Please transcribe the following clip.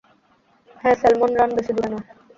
হ্যাঁ, salmon run বেশি দূরে নয়।